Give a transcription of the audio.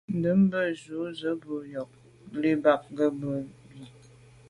Ndə̂mbə́ jú zə̄ bū jʉ̂ nyɔ̌ŋ lí’ bɑ̌k gə̀ mə́ bí.